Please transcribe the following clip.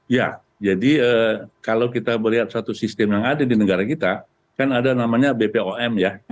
ya jadi kalau kita melihat satu sistem yang ada di negara kita kan ada namanya bpom ya